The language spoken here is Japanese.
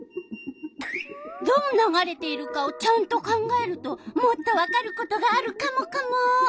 どう流れているかをちゃんと考えるともっとわかることがあるカモカモ！